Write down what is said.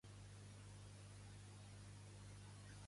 Què sol·licita a Puigdemont, Rull i Turull?